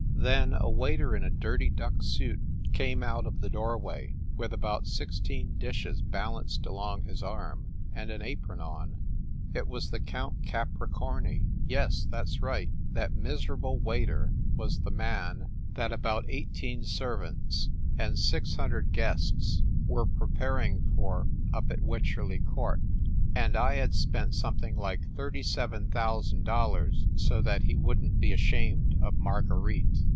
Then a waiter in a dirty duck suit came out of the doorway, with about sixteen dishes balanced along his arm, and an apron on. It was the Count Capricorni. Yes, that s right! That miserable waiter was the man that about eighteen servants and 226 FIND THE WOMAN six hundred guests were preparing for up at Wych erley Court. And I had spent something like $37, 000 so that he wouldn t be ashamed of Marguerite